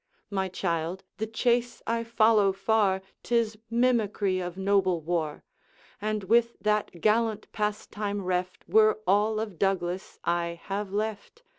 'My child, the chase I follow far, 'Tis mimicry of noble war; And with that gallant pastime reft Were all of Douglas I have left.